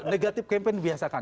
negatif campaign dibiasakan